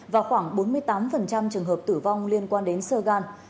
và khoảng bốn mươi tám trường hợp tử vong liên quan đến sơ gan